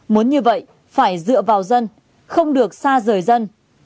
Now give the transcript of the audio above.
muốn như vậy phải dựa vào dân không được xa rời dân